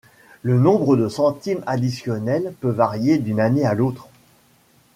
Le nombre de centimes additionnels peut varier d'une année à l'autre.